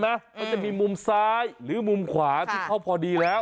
มันจะมีมุมซ้ายหรือมุมขวาที่เขาพอดีแล้ว